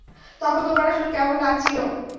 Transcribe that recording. তখন তোমার আসলে কেমন লাগছিল?